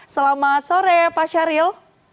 selamat sore pak syahril